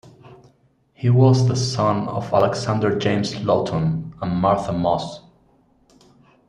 He was the son of Alexander James Lawton and Martha Mosse.